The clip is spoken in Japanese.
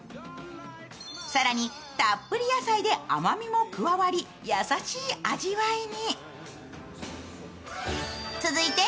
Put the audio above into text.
更にたっぷり野菜で甘みも加わり、優しい味わいに。